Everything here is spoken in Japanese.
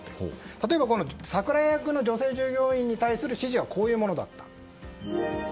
例えばサクラ役の女性従業員に対する指示は、こういうものだと。